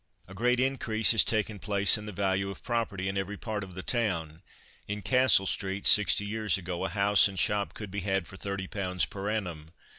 A great increase has taken place in the value of property in every part of the town. In Castle street sixty years ago a house and shop could be had for 30 pounds per annum.